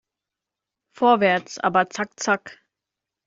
Vorwärts, aber zack zack